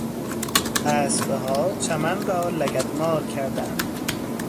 اسبها چمن را لگدمال کردند.